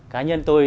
cá nhân tôi